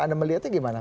anda melihatnya gimana